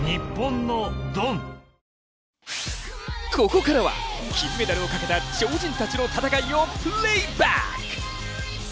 ここからは金メダルをかけた超人たちの戦いをプレイバック。